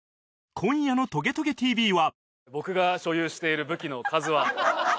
今夜の『トゲトゲ ＴＶ』は